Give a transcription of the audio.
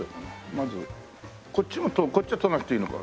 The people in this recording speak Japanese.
まずこっちも取るこっちは取らなくていいのか。